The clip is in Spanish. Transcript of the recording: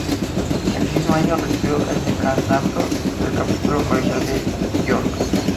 El mismo año recibió el decanato del capítulo colegial de York.